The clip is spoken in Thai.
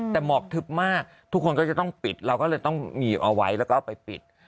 แต่หมอกทึบมากทุกคนก็จะต้องปิดเราก็เลยต้องมีเอาไว้แล้วก็เอาไปปิด